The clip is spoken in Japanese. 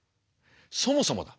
そもそもだ